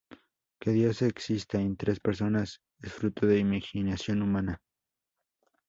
Que Dios exista en tres personas, es fruto de imaginación humana.